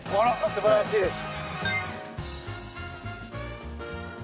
すばらしいです。